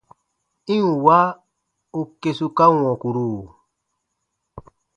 I ǹ wa u kesuka wɔ̃kuru!